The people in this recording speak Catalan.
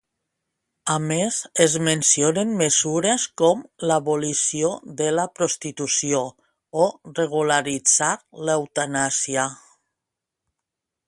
A més, es mencionen mesures com l'abolició de la prostitució o regularitzar l'eutanàsia.